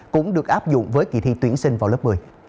cũng được áp dụng với kỳ thi tuyển sinh vào lớp một mươi